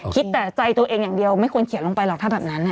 คิดแต่ใจตัวเองอย่างเดียวไม่ควรเขียนลงไปหรอกถ้าแบบนั้น